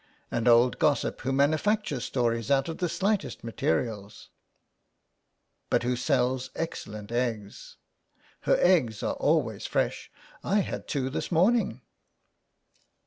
An old gossip, who manufactures stories out of the slightest materials ... but who sells excellent eggs ; her eggs are always fresh. I had two this morning."